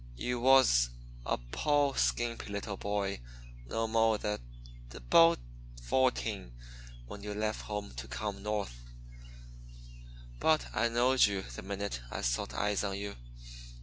You was a po' skimpy little boy no mo' than about fo'teen when you lef' home to come No'th; but I knowed you the minute I sot eyes on you.